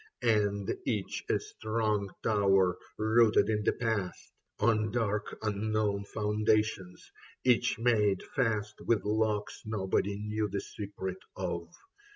And each a strong tower rooted in the past On dark unknown foundations, each made fast With locks nobody knew the secret of.